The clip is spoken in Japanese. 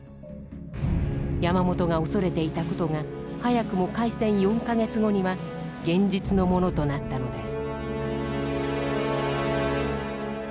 山本が恐れていた事が早くも開戦４か月後には現実のものとなったのです。